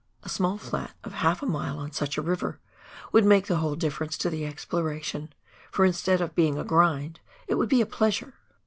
A small flat of half a mile on such a river would make the whole difference to the exploration, for instead of being a " grind " it would be a pleasure.